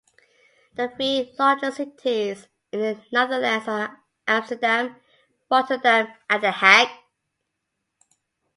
The three largest cities in the Netherlands are Amsterdam, Rotterdam and The Hague.